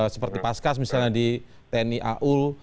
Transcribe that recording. seperti paskas misalnya di tni aul